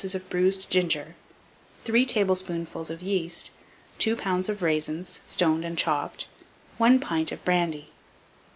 of bruised ginger, 3 tablespoonfuls of yeast, 2 lbs. of raisins stoned and chopped, 1 pint of brandy.